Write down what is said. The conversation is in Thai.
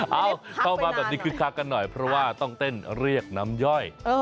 เข้ามาแบบนี้คึกคักกันหน่อยเพราะว่าต้องเต้นเรียกน้ำย่อย